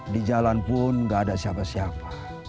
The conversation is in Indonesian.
di jalan pun gak ada siapa siapa